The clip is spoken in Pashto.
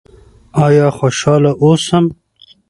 آیا خوشحاله اوسو؟